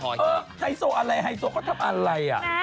เออไทโซลอะไรไทโซลก็ทำอะไรอะ